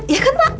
iya kan pak